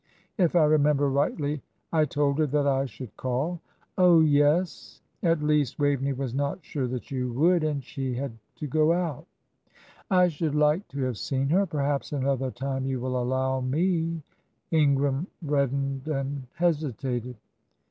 If I remember rightly, I told her that I should call." "Oh, yes; at least, Waveney was not sure that you would, and she had to go out." "I should like to have seen her. Perhaps another time you will allow me " Ingram reddened and hesitated.